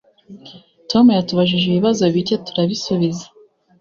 Tom yatubajije ibibazo bike turabisubiza.